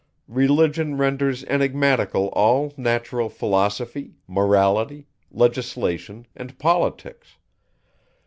Religion renders enigmatical all Natural Philosophy, Morality, Legislation and Politics.